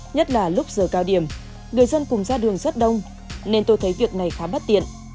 nhất là lúc giờ cao điểm người dân cùng ra đường rất đông nên tôi thấy việc này khá bất tiện